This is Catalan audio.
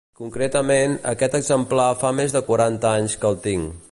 Concretament, aquest exemplar fa més de quaranta anys que el tinc.